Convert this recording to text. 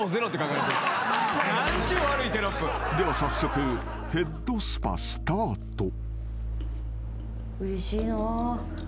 ［では早速ヘッドスパスタート］